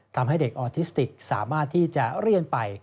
ทำให้เด็กออทิสติกสามารถที่จะเรียนไป